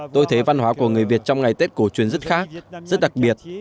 tôi thấy văn hóa của người việt trong ngày tết cổ truyền rất khác rất đặc biệt